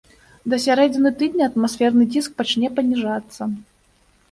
Да сярэдзіны тыдня атмасферны ціск пачне паніжацца.